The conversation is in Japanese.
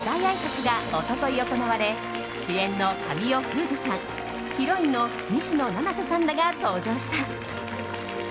先週、公開された映画「恋は光」の舞台あいさつが一昨日行われ主演の神尾楓珠さんヒロインの西野七瀬さんらが登場した。